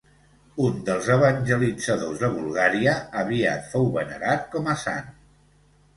Un dels evangelitzadors de Bulgària, aviat fou venerat com a sant.